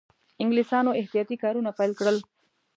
انګلیسیانو احتیاطي کارونه پیل کړل.